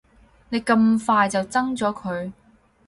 你咁快就憎咗佢